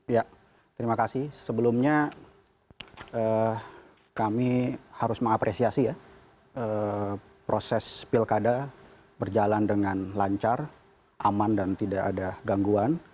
ya terima kasih sebelumnya kami harus mengapresiasi ya proses pilkada berjalan dengan lancar aman dan tidak ada gangguan